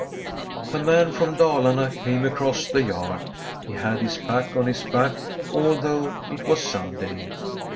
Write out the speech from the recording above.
A man from Dalarne came across the yard; he had his pack on his back, although it was Sun day.